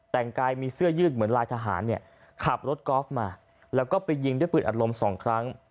แต่งกายมีเสื้อยืดเหมือนลายทหารเนี่ยขับรถกอล์ฟมาแล้วก็ไปยิงด้วยปืนอัดลมสองครั้ง